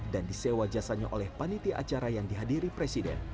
dan disewa jasanya oleh paniti acara yang dihadiri presiden